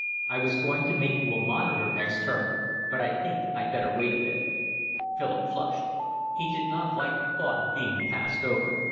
I was going to make you a monitor next term, but I think I'd better wait a bit." Philip flushed. He did not like the thought of being passed over.